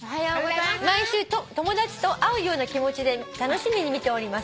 「毎週友達と会うような気持ちで楽しみに見ております」